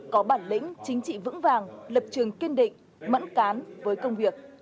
có bản lĩnh chính trị vững vàng lập trường kiên định mẫn cán với công việc